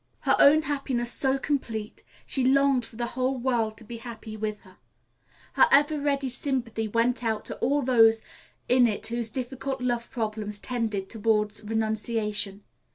Her own happiness so complete, she longed for the whole world to be happy with her. Her ever ready sympathy went out to all those in it whose difficult love problems tended toward renunciation.